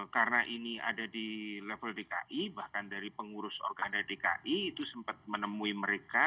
karena ini ada di level dki bahkan dari pengurus organda dki itu sempat menemui mereka